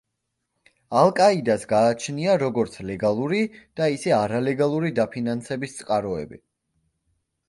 ალ-კაიდას გააჩნია როგორც ლეგალური და ისე არალეგალური დაფინანსების წყაროები.